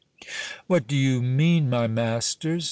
"What do you mean, my masters?"